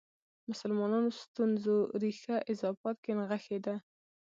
مسلمانانو ستونزو ریښه اضافات کې نغښې ده.